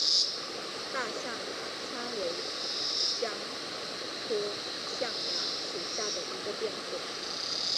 大象牙参为姜科象牙参属下的一个变种。